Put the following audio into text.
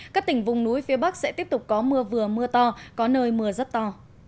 các tỉnh vùng núi phía bắc sẽ tiếp tục có mưa vừa mưa to có nơi mưa rất to